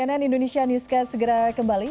cnn indonesia newscast segera kembali